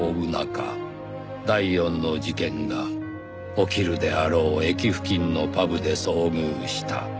第四の事件が起きるであろう駅付近のパブで遭遇した」